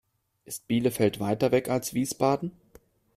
Ist Bielefeld weiter weg als Wiesbaden?